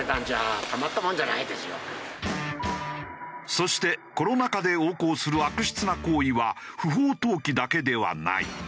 そしてコロナ禍で横行する悪質な行為は不法投棄だけではない。